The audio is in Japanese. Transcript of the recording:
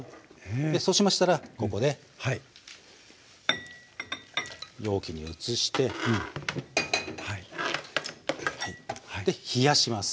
でそうしましたらここで容器に移してで冷やします。